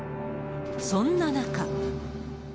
そんな中。